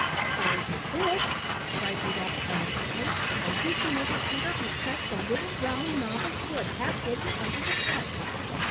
"There's this!" cried Rudolf triumphantly, and reaching over Peter he pressed a little round knob of wood half hidden under the shelf.